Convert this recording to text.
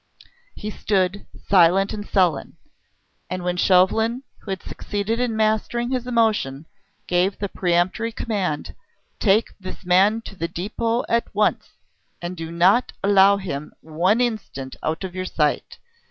He stood, silent and sullen; and when Chauvelin, who had succeeded in mastering his emotion, gave the peremptory command: "Take this man to the depot at once. And do not allow him one instant out of your sight!"